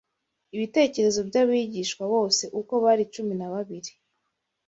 ibitekerezo by’abigishwa bose uko bari cumi na babiri.